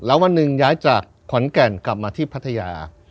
แล้ววันหนึ่งย้ายจากขอนแก่นกลับมาที่พัทยา